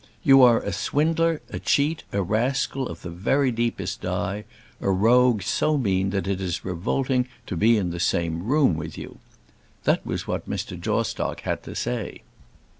"You are a swindler, a cheat, a rascal of the very deepest dye; a rogue so mean that it is revolting to be in the same room with you!" That was what Mr. Jawstock had to say.